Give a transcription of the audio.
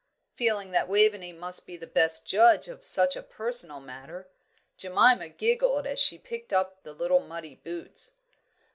feeling that Waveney must be the best judge of such a personal matter. Jemima giggled as she picked up the little muddy boots.